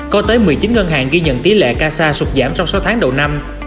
có tới một mươi chín ngân hàng ghi nhận tỷ lệ casa sụt giảm trong sáu tháng đầu năm